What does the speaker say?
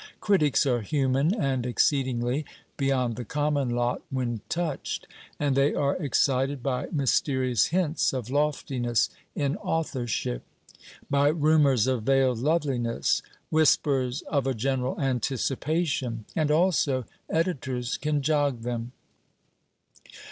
Critics are human, and exceedingly, beyond the common lot, when touched; and they are excited by mysterious hints of loftiness in authorship; by rumours of veiled loveliness; whispers, of a general anticipation; and also Editors can jog them.